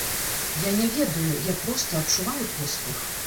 Я не ведаю, я проста адчуваю поспех.